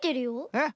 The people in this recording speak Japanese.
えっ？